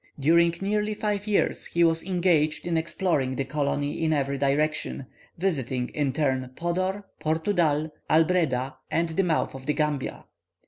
During nearly five years he was engaged in exploring the colony in every direction, visiting in turn Podor, Portudal, Albreda, and the mouth of the Gambia.